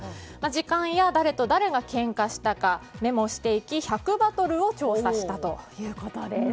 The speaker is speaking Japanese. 時間や、誰と誰がけんかしたかメモをし、１００バトルを調査したということです。